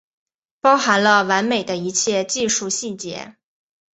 包含了完美的一切技术细节